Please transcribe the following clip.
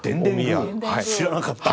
知らなかった。